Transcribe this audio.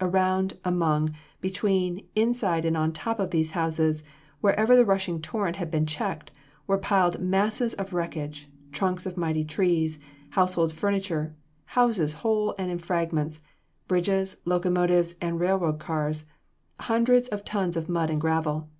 Around, among, between, inside and on top of these houses, wherever the rushing torrent had been checked, were piled masses of wreckage; trunks of mighty trees, household furniture, houses whole and in fragments, bridges, locomotives and railroad cars, hundreds of tons of mud and gravel.